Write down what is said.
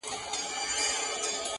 قومندان سره خبري کوي او څه پوښتني کوي,